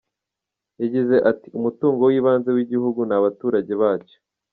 Yagize ati : "Umutungo w’ibanze w’igihugu ni abaturage bacyo.